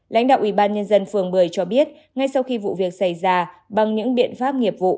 lãnh đạo ubnd phường bưởi cho biết ngay sau khi vụ việc xảy ra bằng những biện pháp nghiệp vụ